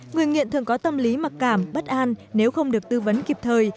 người nghiện thường có tâm lý mặc cảm bất an nếu không được tư vấn kịp thời